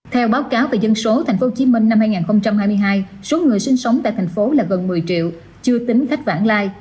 theo báo cáo về dân số tp hcm năm hai nghìn hai mươi hai số người sinh sống tại thành phố là gần một mươi triệu chưa tính khách vãn lai